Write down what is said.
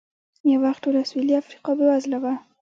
یو وخت ټوله سوېلي افریقا بېوزله وه.